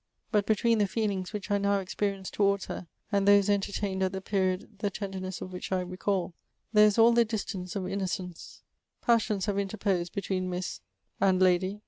But between the feelings which I now experience towards her, and those entertained at the period the tenderness of which I recal, there is all the distance of innocence: passions hare interposed between Miss — and Lady